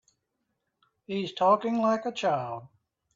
He's talking like a child.